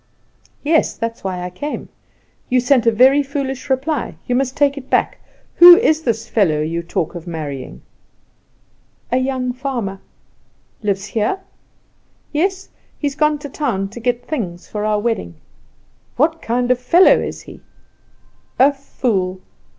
"Yes; that is why I come. You sent a very foolish reply; you must take it back. Who is this fellow you talk of marrying?" "A young farmer." "Lives here?" "Yes; he has gone to town to get things for our wedding." "What kind of a fellow is he?" "A fool."